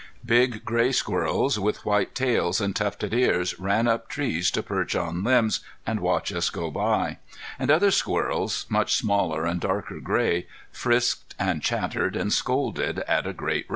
Big gray squirrels with white tails and tufted ears ran up trees to perch on limbs and watch us go by; and other squirrels, much smaller and darker gray, frisked and chattered and scolded at a great rate.